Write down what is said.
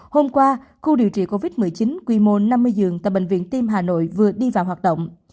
hôm qua khu điều trị covid một mươi chín quy mô năm mươi giường tại bệnh viện tim hà nội vừa đi vào hoạt động